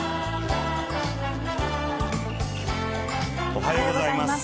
おはようございます。